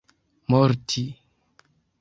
morti